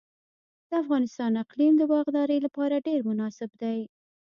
د افغانستان اقلیم د باغدارۍ لپاره ډیر مناسب دی.